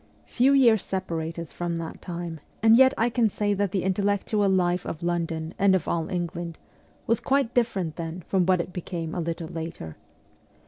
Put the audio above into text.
Few years separate us from that time, and yet I can say that the intellectual life of London and of all England was quite different then from what it became a little later.